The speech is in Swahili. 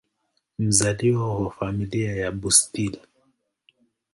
Mzaliwa wa Familia ya Bustill.